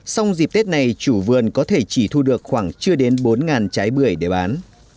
xong dịp tết này chủ vườn có thể chỉ thu được khoảng chưa đến bốn trái bưởi để bán